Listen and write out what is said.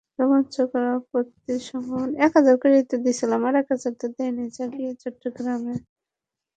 রোমাঞ্চকর সমাপ্তির সম্ভাবনা জাগিয়ে চট্টগ্রাম টেস্টটি ড্র হয়ে গেছে আবহাওয়ার কারণেই।